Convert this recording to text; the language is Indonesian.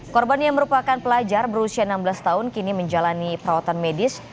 korban yang merupakan pelajar berusia enam belas tahun kini menjalani perawatan medis